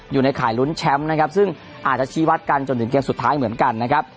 อยู่ในข่ายลุ้นแชมป์นะครับซึ่งอาจจะชี้วัดกันจนถึงเกมสุดท้ายเหมือนกันนะครับ